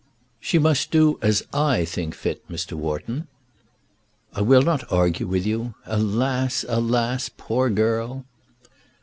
"She must do as I think fit, Mr. Wharton." "I will not argue with you. Alas, alas; poor girl!"